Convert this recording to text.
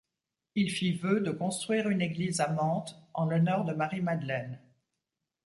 Il fit vœux de construire une église à Mantes en l’honneur de Marie Magdeleine.